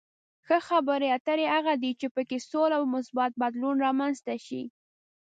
ښه خبرې اترې هغه دي چې په کې سوله او مثبت بدلون رامنځته شي.